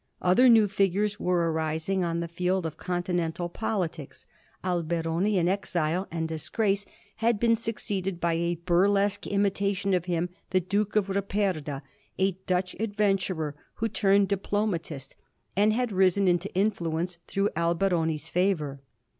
Other new figures were arising on the field of continental politics. Alberoni, iu exile and dis grace, had been succeeded by a burlesque imitation of him, the Duke of Ripperda, a Dutch adventurer who turned diplomatist, and had risen iuto influence through Alberoni's favour.